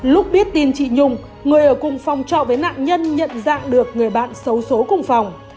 lúc biết tin chị nhung người ở cùng phòng trọ với nạn nhân nhận dạng được người bạn xấu xố cùng phòng